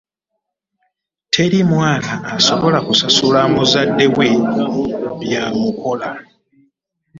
Teri mwana asobola kusasula muzadde we by'amukoka.